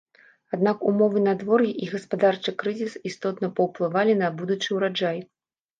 Аднак умовы надвор'я і гаспадарчы крызіс істотна паўплывалі на будучы ўраджай.